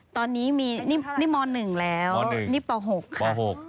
ตอนนี้นี่ม๑แล้วนี่ป๖ครับ